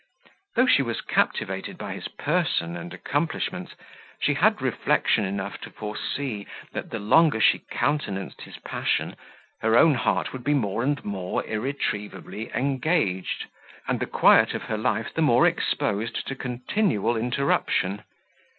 Though she was captivated by his person and accomplishments, she had reflection enough to foresee, that the longer she countenanced his passion, her own heart would be more and more irretrievably engaged, and the quiet of her life the more exposed to continual interruption.